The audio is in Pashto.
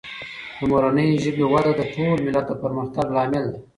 د مورنۍ ژبې وده د ټول ملت د پرمختګ لامل دی.